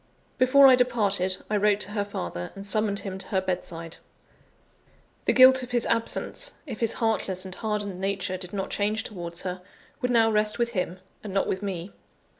Before I departed, I wrote to her father, and summoned him to her bedside. The guilt of his absence if his heartless and hardened nature did not change towards her would now rest with him, and not with me.